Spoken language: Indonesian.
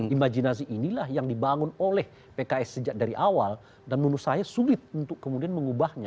imajinasi inilah yang dibangun oleh pks sejak dari awal dan menurut saya sulit untuk kemudian mengubahnya